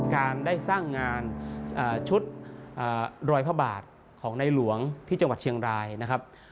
การได้สร้างงานชุดรอยพระบาทของในหลวงที่จังหวัดเชียงรายนะครับ